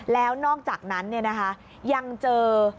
แล้วนอกจากนั้นยังเจอ